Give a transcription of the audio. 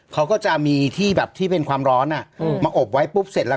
เขาก็จะมีที่แบบที่เป็นความร้อนอ่ะอืมมาอบไว้ปุ๊บเสร็จแล้ว